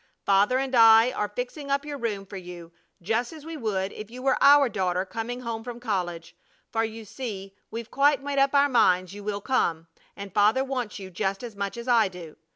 Father and I are fixing up your room for you, just as we would if you were our own daughter coming home from college. For you see we've quite made up our minds you will come, and Father wants you just as much as I do.